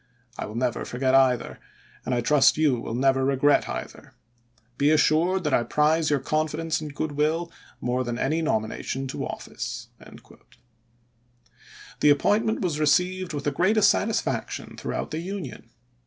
I will never forget either, and trust you will never regret either. Be assured that I prize your confidence and good will more than any nomination to office." The appointment was received with the greatest satisfaction throughout the Union.